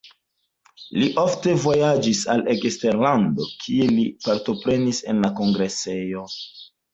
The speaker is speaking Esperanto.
Li ofte vojaĝis al eksterlando, kie li partoprenis en kongresoj.